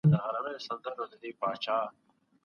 سياسي مشران د ټکرونو د مخنيوي مسووليت لري.